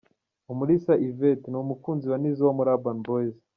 Umulisa Yvette: ni umukunzi wa Nizzo wo muri Urban Boyz.